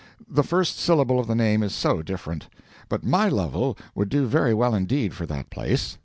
The first syllable of the name is so different. But my Lovel would do very well indeed for that place.